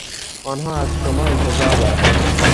آنها از شما انتظار دارند